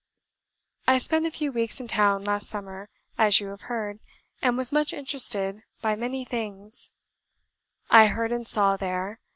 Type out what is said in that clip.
"I spent a few weeks in town last summer, as you have heard; and was much interested by many things I heard and saw there.